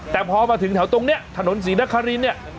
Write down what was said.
แต่พอมาถึงแถวตรงนี้ถนนศรีนครินเนี่ย